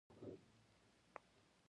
چې کار کوي.